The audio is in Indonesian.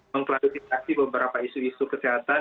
mengklarifikasi beberapa isu isu kesehatan